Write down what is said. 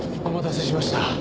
お待たせしました。